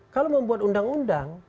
kalau membuat undang undang